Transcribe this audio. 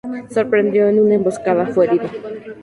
Sorprendido en una emboscada, fue herido.